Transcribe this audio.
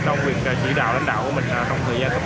trong việc chỉ đạo lãnh đạo của mình trong thời gian tốc tế